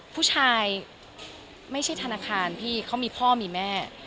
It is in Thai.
ผู้ชายไม่ใช่ธนาคารพี่เขามีพ่อมีแม่